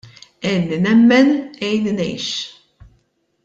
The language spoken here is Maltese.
" Għinni Nemmen Għinni Ngħix "